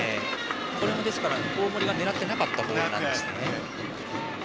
これも大森が狙っていなかったところですね。